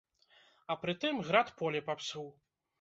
А пры тым, град поле папсуў.